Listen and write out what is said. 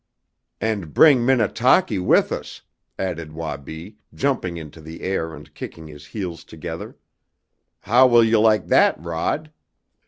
"And bring Minnetaki with us!" added Wabi, jumping into the air and kicking his heels together. "How will you like that, Rod?"